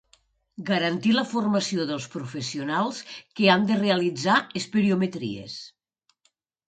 Garantir la formació dels professionals que han de realitzar espirometries.